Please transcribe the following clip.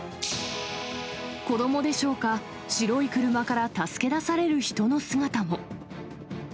子どもでしょうか、白い車から助け出される人の姿も。